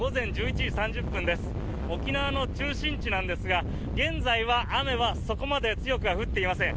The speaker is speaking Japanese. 沖縄の中心地なんですが現在は雨はそこまで強くは降っていません。